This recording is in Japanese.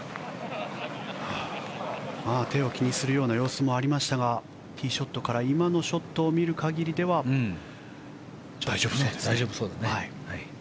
手を気にするような様子もありましたがティーショットから今のショットを見る限りでは大丈夫そうですね。